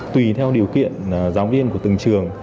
tùy theo điều kiện giáo viên của từng trường